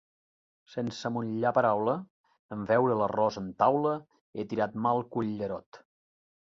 Sense amollar paraula, en veure l'arròs en taula, he tirat mà al cullerot.